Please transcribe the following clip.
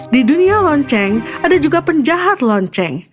di dunia lonceng ada juga penjahat lonceng